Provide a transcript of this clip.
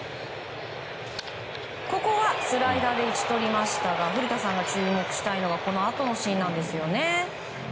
ここはスライダーで打ち取りましたが古田さんが注目したいのはこのあとのシーンなんですよね。